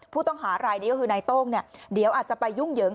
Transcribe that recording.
ผู้ต้องหารายนี้ก็คือนายโต้งเนี่ยเดี๋ยวอาจจะไปยุ่งเหยิง